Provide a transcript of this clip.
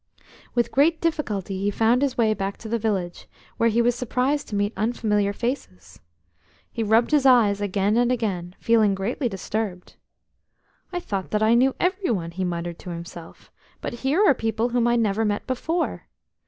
With great difficulty he found his way back to the village, where he was surprised to meet unfamiliar faces. He rubbed his eyes again and again, feeling greatly disturbed. "I thought that I knew every one," he muttered to himself, "but here are people whom I never met before.